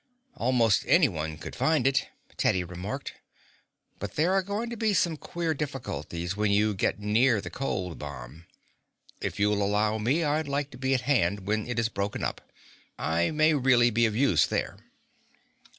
"Almost any one could find it," Teddy remarked, "but there are going to be some queer difficulties when you get near the cold bomb. If you'll allow me, I'd like to be at hand when it is broken up. I may really be of use there."